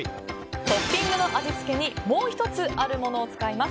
トッピングの味付けにもう１つあるものを使います。